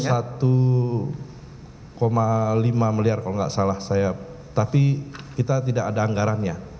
rp satu lima miliar kalau nggak salah saya tapi kita tidak ada anggarannya